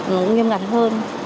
nó nghiêm ngặt hơn